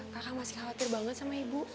kakak masih khawatir banget sama ibu